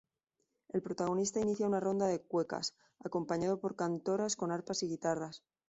El protagonista inicia una ronda de cuecas, acompañado por cantoras con arpas y guitarras.